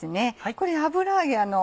これ油揚げ